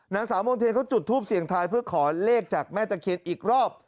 นางสาวมนเทียนเขาจุดทูปเสียงทายเพื่อขอเลขจากแม่ตะเคียนอีกรอบ